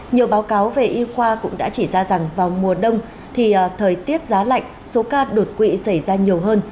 nhiều báo cáo về y khoa cũng đã chỉ ra rằng vào mùa đông thì thời tiết giá lạnh số ca đột quỵ xảy ra nhiều hơn